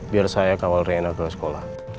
biar saya kawal rena ke sekolah